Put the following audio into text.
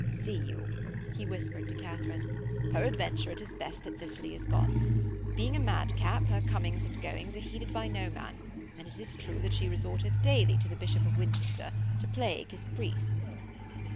'See you,' he whispered to Katharine. 'Peradventure it is best that Cicely have gone. Being a madcap, her comings and goings are heeded by no man, and it is true that she resorteth daily to the Bishop of Winchester, to plague his priests.'